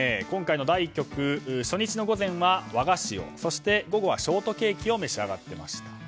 今回、初日の午前は和菓子をそして午後はショートケーキを召し上がっていました。